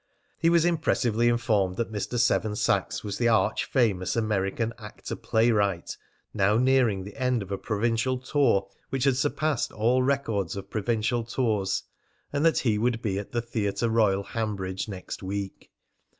He was impressively informed that Mr. Seven Sachs was the arch famous American actor playwright, now nearing the end of a provincial tour which had surpassed all records of provincial tours, and that he would be at the Theatre Royal, Hanbridge, next week.